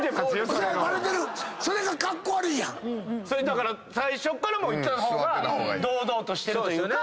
だから最初からいった方が堂々としてるというか。